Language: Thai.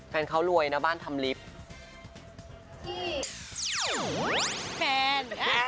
แฟนเขารวยนะบ้านทำลิฟต์